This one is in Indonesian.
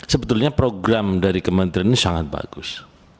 sebetulnya program dari kementerian ini sangat bagus